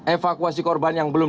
evakuasi korban yang belum